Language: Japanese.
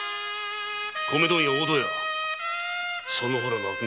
米問屋・大戸屋その方らの悪行